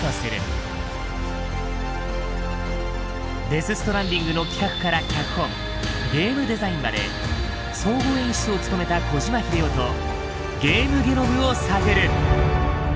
「デス・ストランディング」の企画から脚本ゲームデザインまで総合演出を務めた小島秀夫とゲームゲノムを探る。